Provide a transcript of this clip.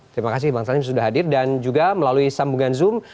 terima kasih bang salim sudah hadir dan juga melalui sambungan zoom